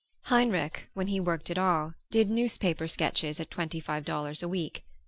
Heinrich, when he worked at all, did newspaper sketches at twenty five dollars a week.